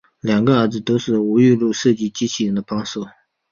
两个儿子都是吴玉禄设计机器人的帮手。